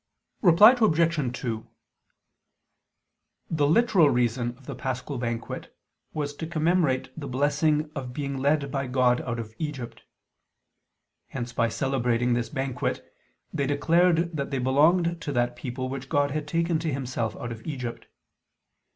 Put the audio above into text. Reply Obj. 2: The literal reason of the paschal banquet was to commemorate the blessing of being led by God out of Egypt. Hence by celebrating this banquet they declared that they belonged to that people which God had taken to Himself out of Egypt.